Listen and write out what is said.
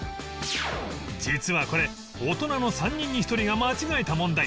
実はこれ大人の３人に１人が間違えた問題